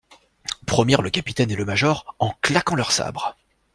Promirent le capitaine et le major, en claquant leurs sabres.